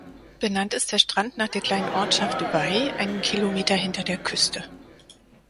Benannt ist der Strand nach der kleinen Ortschaft Vai einen Kilometer hinter der Küste.